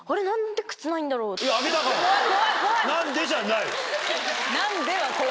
「何で」じゃないわ。